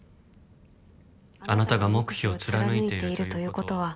「あなたが黙秘を貫いているということは」